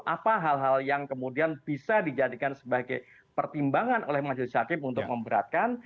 apa hal hal yang kemudian bisa dijadikan sebagai pertimbangan oleh majelis hakim untuk memberatkan